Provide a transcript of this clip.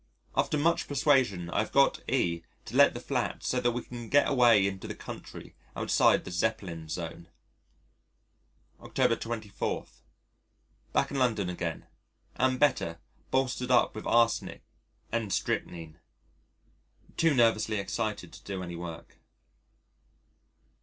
After much persuasion, I have got E to let the flat so that we can get away into the country outside the Zeppelin zone. October 24. Back in London again. Am better, bolstered up with arsenic and strychnine. Too nervously excited to do any work.